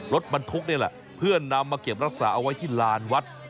รถบรรทุกนี่แหละเพื่อนำมาเก็บรักษาเอาไว้ที่ลานวัด